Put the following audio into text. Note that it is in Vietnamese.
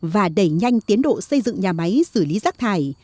và đẩy nhanh tiến độ xây dựng nhà máy xử lý rác thải